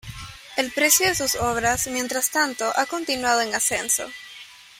El precio de sus obras, mientras tanto, ha continuado en ascenso.